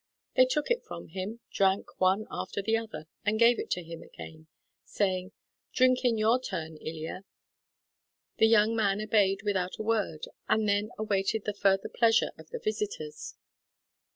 They took it from him, drank one after the other, and gave it to him again, saying, "Drink in your turn, Ilya." The young man obeyed without a word, and then awaited the further pleasure of the visitors.